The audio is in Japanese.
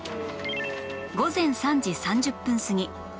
午前３時３０分過ぎ